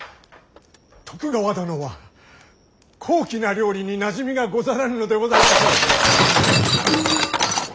徳川殿は高貴な料理になじみがござらぬのでございましょう。